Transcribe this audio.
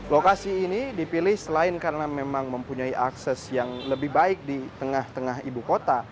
lokasi ini dipilih selain karena memang mempunyai akses yang lebih baik di tengah tengah ibu kota